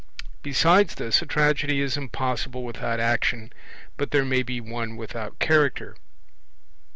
Besides this, a tragedy is impossible without action, but there may be one without Character.